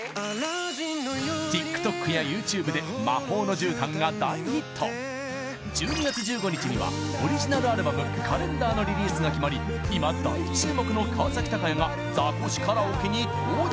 ＴｉｋＴｏｋやＹｏｕＴｕｂｅで「魔法の絨毯」が大ヒット１２月１５日にはオリジナルアルバム「カレンダー」のリリースが決まり今大注目の川崎鷹也がザコシカラオケに登場！